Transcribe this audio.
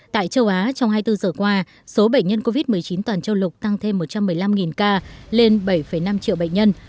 tại châu á trong hai mươi bốn giờ qua số bệnh nhân covid một mươi chín toàn châu lục tăng thêm một trăm một mươi năm ca lên bảy năm triệu bệnh nhân